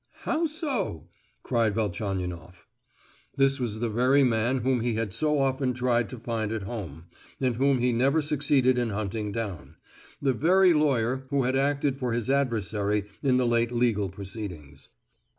how so?" cried Velchaninoff. This was the very man whom he had so often tried to find at home, and whom he never succeeded in hunting down—the very lawyer who had acted for his adversary in the late legal proceedings.